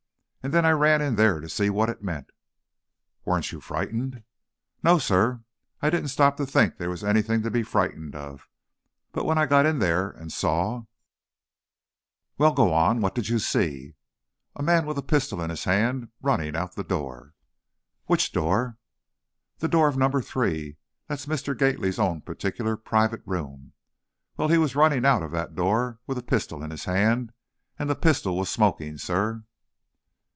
And then I ran in there to see what it meant, " "Weren't you frightened?" "No, sir; I didn't stop to think there was anything to be frightened of. But when I got in there, and saw " "Well, go on, what did you see?" "A man, with a pistol in his hand, running out of the door " "Which door?" "The door of number three, that's Mr. Gately's own particular private room, well, he was running out of that door, with a pistol in his hand, and the pistol was smoking, sir!"